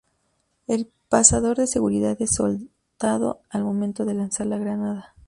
El pasador de seguridad es soltado al momento de lanzar la granada.